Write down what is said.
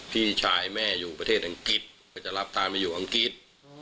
พี่ชายแม่อยู่ประเทศอังกฤษก็จะรับตามาอยู่อังกฤษ